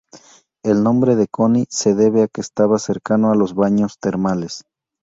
El nombre de Coni se debe a que estaba cercano a los baños termales.